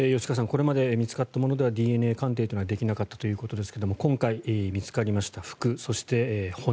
これまで見つかったものではＤＮＡ鑑定というのはできなかったということですが今回、見つかりました服そして骨